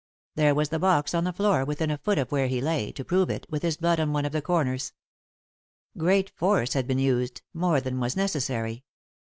There was the box on the floor, within a foot of where he lay, to prove it, with his blood on one of the comers. Great force had been used ; more than was necessary.